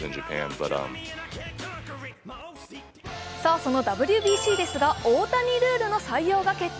そのＷＢＣですが大谷ルールの採用が決定。